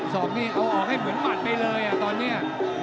อกนี่เอาออกให้เหมือนหมัดไปเลยตอนนี้